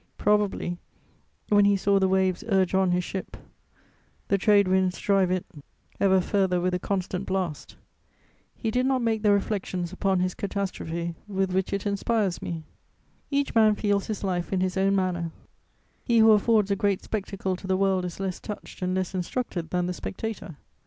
Probably, when he saw the waves urge on his ship, the trade winds drive it ever further with a constant blast, he did not make the reflections upon his catastrophe with which it inspires me: each man feels his life in his own manner; he who affords a great spectacle to the world is less touched and less instructed than the spectator.